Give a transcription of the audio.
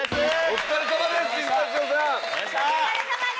お疲れさまです！